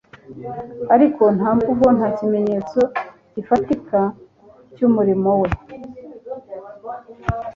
ariko nta mvugo nta kimenyetso gifatika cy'umurimo we.